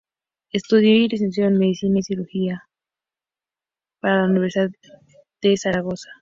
Estudió y se licenció en Medicina y Cirugía por la Universidad de Zaragoza.